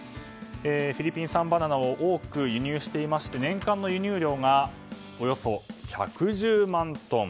フィリピン産バナナを多く輸入していまして年間の輸入量がおよそ１１０万トン。